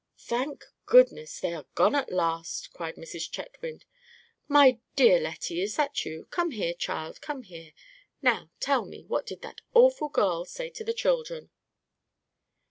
"Thank goodness, they are gone at last!" cried Mrs. Chetwynd. "My dear Lettie, is that you? Come here, child, come here. Now, tell me, what did that awful girl say to the children?"